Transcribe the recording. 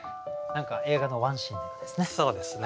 何か映画のワンシーンのようですね。